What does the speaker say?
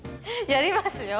やりますよ。